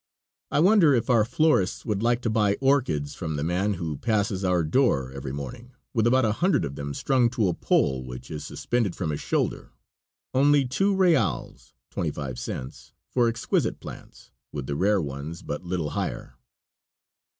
I wonder if our florists would not like to buy orchids from the man who passes our door every morning with about a hundred of them strung to a pole which is suspended from his shoulder, only two reals (twenty five cents) for exquisite plants, with the rare ones but little higher.